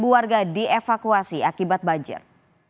dua warga dievakuasi akibat banjir